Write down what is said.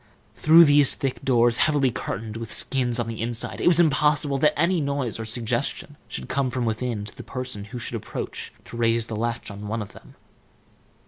Through these thick doors, heavily curtained with skins on the inside, it was impossible that any noise or suggestion should come from within to the person who should approach to raise the latch of one of them.